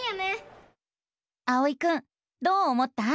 あおいくんどう思った？